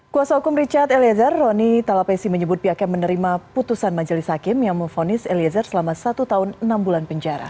kuasa hukum richard eliezer roni talapesi menyebut pihaknya menerima putusan majelis hakim yang memfonis eliezer selama satu tahun enam bulan penjara